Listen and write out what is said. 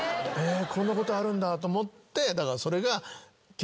こんなことあるんだと思って。